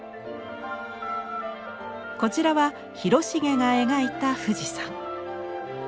こちらは広重が描いた富士山。